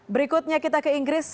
berikutnya kita kembali ke tiongkok